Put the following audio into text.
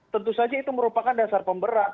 tentu saja itu merupakan dasar pemberat